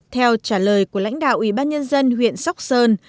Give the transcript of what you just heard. theo trả lời của lãnh đạo ubnd huyện sóc sơn